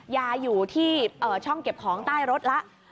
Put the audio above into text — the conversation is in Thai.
ยาอยู่ที่ช่องเก็บของใต้รถแล้ว